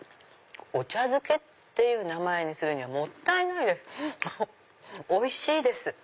お茶漬けっていう名前にするにはもったいないです。